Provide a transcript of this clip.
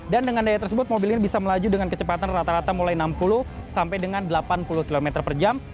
dan dengan daya tersebut mobil ini bisa melaju dengan kecepatan rata rata mulai enam puluh sampai dengan delapan puluh km per jam